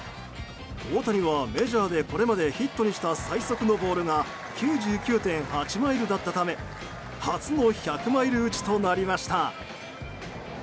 大谷は、メジャーでこれまでヒットにした最速のボールが９９．８マイルだったため初の１００マイル打ちとなりました。